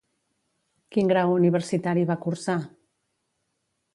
Quin grau universitari va cursar?